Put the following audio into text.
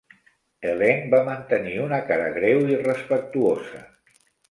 Helene va mantenir una cara greu i respectuosa.